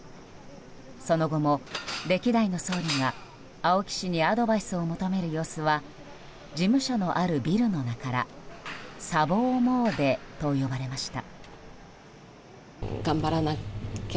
その後も歴代の総理が青木氏にアドバイスを求める様子は事務所のあるビルの中ら砂防詣と呼ばれました。